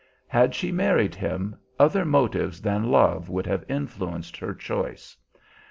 Had she married him, other motives than love would have influenced her choice.